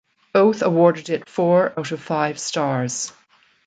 Both awarded it four out of five stars.